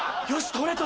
取れた。